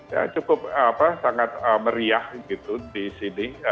ya cukup sangat meriah gitu di sini